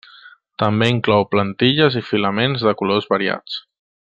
També inclou plantilles i filaments de colors variats.